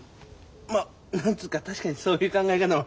ま何つうか確かにそういう考え方も。